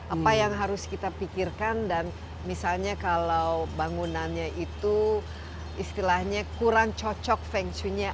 apa yang harus kita pikirkan dan misalnya kalau bangunannya itu istilahnya kurang cocok feng shuinya